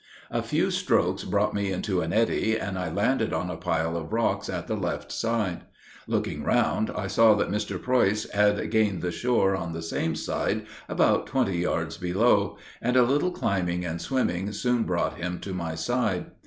A few strokes brought me into an eddy, and I landed on a pile of rocks on the left side. Looking around, I saw that Mr. Preuss had gained the shore on the same side, about twenty yards below; and a little climbing and swimming soon brought him to my side.